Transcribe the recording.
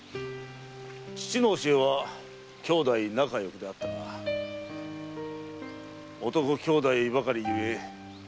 父の教えは「兄弟仲よく」であったが男兄弟ばかりゆえときどきは諍いもあった。